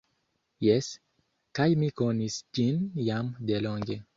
Jes, kaj mi konis ĝin jam delonge.